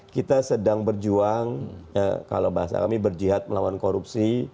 kita sedang berjuang kalau bahasa kami berjihad melawan korupsi